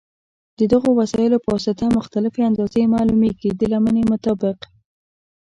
د دغو وسایلو په واسطه مختلفې اندازې معلومېږي د لمنې مطابق.